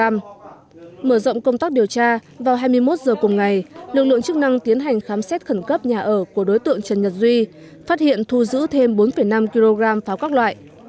mở rộng công tác điều tra vào hai mươi một h cùng ngày lực lượng chức năng tiến hành khám xét khẩn cấp nhà ở của đối tượng trần nhật duy phát hiện thu giữ thêm bốn năm kg pháo các loại